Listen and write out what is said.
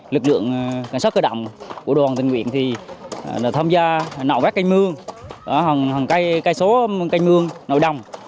lực lượng canh sát cơ động của đoàn tình nguyện thì tham gia nạo bác canh mương hành cây số canh mương nội đồng